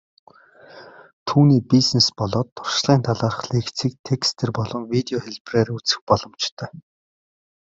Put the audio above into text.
Түүний бизнес болоод туршлагын талаарх лекцийг текстээр болон видео хэлбэрээр үзэх боломжтой.